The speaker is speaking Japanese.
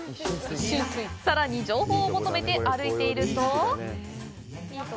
さらに情報を求めて歩いていると。